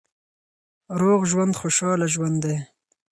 روغ ژوند خوشاله ژوند دی.